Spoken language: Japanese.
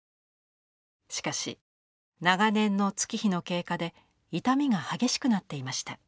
しかし長年の月日の経過で傷みが激しくなっていました。